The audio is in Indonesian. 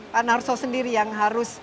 pak narso sendiri yang harus